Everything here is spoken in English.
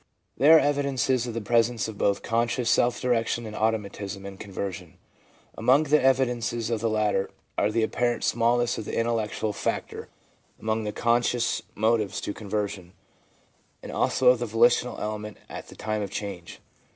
There are evidences of the presence of both conscious self direction and automatism in conversion. Among the evidences of the latter are the apparent smallness of the intellectual factor among the conscious motives to conversion, and also of the volitional element at the time of the change.